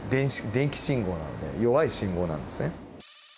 電気信号なので弱い信号なんですね。